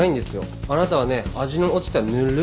あなたはね味の落ちたぬっるい